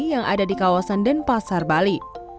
yang ada di kawasan denpasar bali